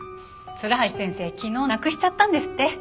鶴橋先生昨日なくしちゃったんですって。